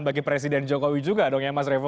bagi presiden jokowi juga dong ya mas revo